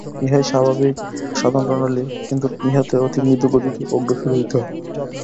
ইহাই স্বাভাবিক সাধনপ্রণালী, কিন্তু ইহাতে অতি মৃদু গতিতে অগ্রসর হইতে হয়।